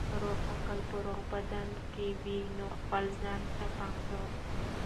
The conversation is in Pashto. روغ عقل په روغ بدن کې وي نو خپل ځان ته پام کوئ.